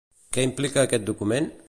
Què implica aquest document?